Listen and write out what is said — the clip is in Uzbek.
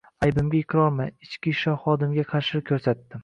«Aybimga iqrorman, ichki ishlar xodimiga qarshilik ko‘rsatdim»